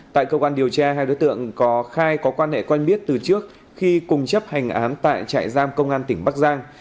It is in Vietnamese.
tại cơ quan điều tra hai đối tượng có khai có quan hệ quen biết từ trước khi cùng chấp hành án tại trại giam công an tỉnh bắc giang